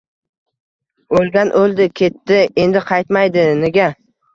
O’lgan o’ldi-ketdi. Endi qaytmaydi. Nega?